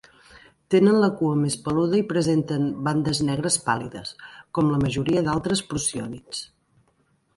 Tenen la cua més peluda i presenten bandes negres pàl·lides, com la majoria d'altres prociònids.